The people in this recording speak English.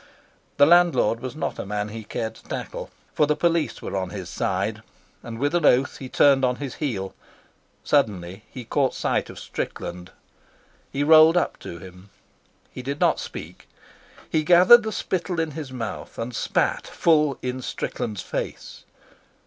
The landlord was not a man he cared to tackle, for the police were on his side, and with an oath he turned on his heel. Suddenly he caught sight of Strickland. He rolled up to him. He did not speak. He gathered the spittle in his mouth and spat full in Strickland's face.